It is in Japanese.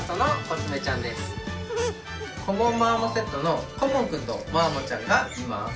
コモンマーモセットのコモンくんとマーモちゃんがいます。